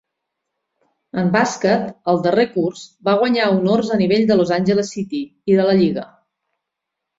En bàsquet, al darrer curs, va guanyar honors a nivell de Los Angeles City i de la lliga.